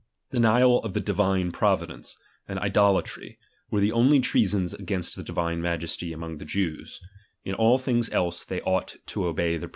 Denial of the Divine Providence, and idolatry, were the only treasons against the Divine Majesty among the Jews ; in all things else they to obey their princes.